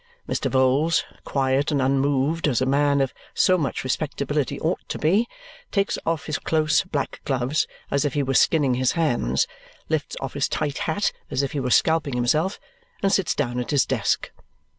Mr. Vholes, quiet and unmoved, as a man of so much respectability ought to be, takes off his close black gloves as if he were skinning his hands, lifts off his tight hat as if he were scalping himself, and sits down at his desk.